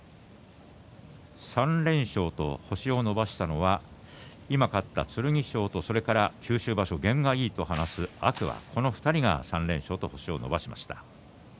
３連勝と星を伸ばしたのは今、勝った剣翔と九州場所、験がいいと話す天空海の２人が３連勝と星を伸ばしました。